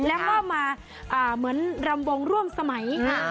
แล้วก็มาเหมือนรำวงร่วมสมัย